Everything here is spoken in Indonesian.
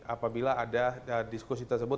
apabila ada diskusi tersebut